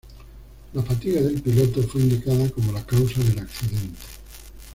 La fatiga del piloto fue indicada como la causa del accidente.